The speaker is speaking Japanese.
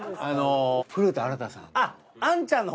古田新太さんの。